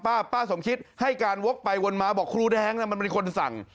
ป้าสมคิดให้การวกไปวนมาบอกครูแดงมันเป็นคนสั่ง